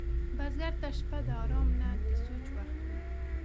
بزګر ته شپه د آرام نه، د سوچ وخت وي